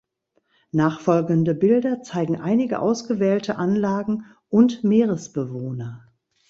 Nachfolgende Bilder zeigen einige ausgewählte Anlagen und Meeresbewohner.